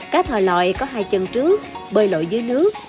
cá thòi lòi có hai chân trước bơi lội dưới nước